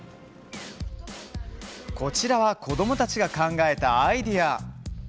こちらは子どもたちが考えたアイデア。